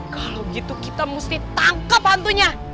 kalau gitu kita mesti tangkap hantunya